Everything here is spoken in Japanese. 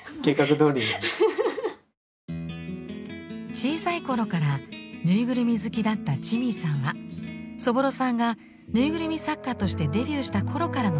小さい頃からぬいぐるみ好きだったチミーさんはそぼろさんがぬいぐるみ作家としてデビューした頃からの大ファン。